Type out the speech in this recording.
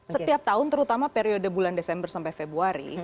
setiap tahun terutama periode bulan desember sampai februari